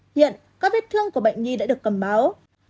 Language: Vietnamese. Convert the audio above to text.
hiện các vết thương của bệnh nhi đã được cầm máu